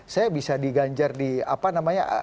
saya bisa diganjar di apa namanya